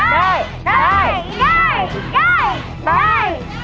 ได้